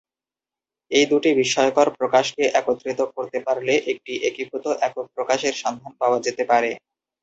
এই দুটি বিস্ময়কর প্রকাশকে একত্রিত করতে পারলে একটি একীভূত একক প্রকাশের সন্ধান পাওয়া যেতে পারে।